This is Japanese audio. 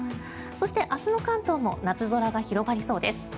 そして、明日の関東も夏空が広がりそうです。